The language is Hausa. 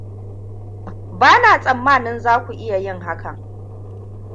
Ba na tsammanin za ku iya yin hakan.